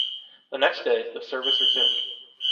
The next day, the service resumed.